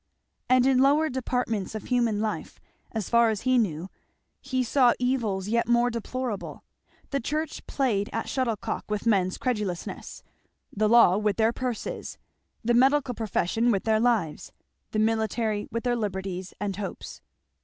And in lower departments of human life, as far as he knew, he saw evils yet more deplorable. The Church played at shuttlecock with men's credulousness, the law with their purses, the medical profession with their lives, the military with their liberties and hopes.